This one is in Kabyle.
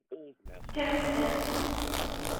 Kker fell-am!